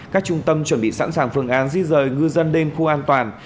các trung tâm chuẩn bị sẵn sàng phương án di dời ngư dân đêm khu an toàn